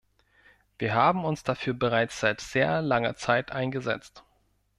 Wir haben uns dafür bereits seit sehr langer Zeit eingesetzt.